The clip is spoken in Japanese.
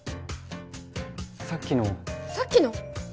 さっきのさっきの？